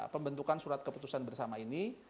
pembentukan surat keputusan bersama ini